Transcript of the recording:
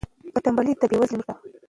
تنبلي د بې وزلۍ مور ده.